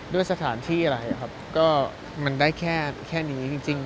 ด้วยสถานที่อะไรครับก็มันได้แค่นี้จริง